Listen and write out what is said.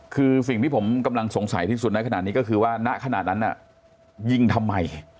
คือสิ่งที่ผมกำลังสงสัยที่สุดในขณะนี้ก็คือว่าณขณะนั้นยิงทำไม